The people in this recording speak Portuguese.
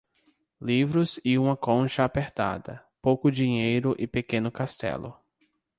Livros e uma concha apertada, pouco dinheiro e pequeno castelo.